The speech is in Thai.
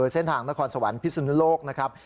เส้นทางนครสวรรค์พิสุนุโลกนะครับ